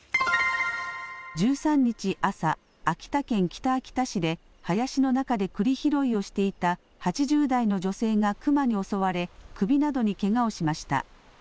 １３日朝、秋田県北秋田市で林の中でクリ拾いをしていた８０代の女性がクマに襲われ首などにけがをしました。